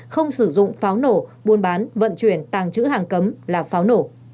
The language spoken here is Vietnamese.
không sử dụng pháo nổ buôn bán vận chuyển tàng trữ hàng cấm là pháo nổ